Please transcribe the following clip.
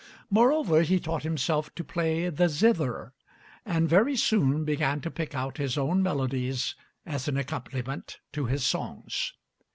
Moreover, he taught himself to play the zither, and very soon began to pick out his own melodies as an accompaniment to his songs.